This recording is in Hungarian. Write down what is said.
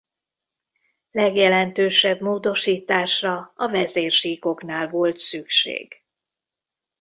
Legjelentősebb módosításra a vezérsíkoknál volt szükség.